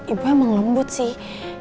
ibu emang lembut sih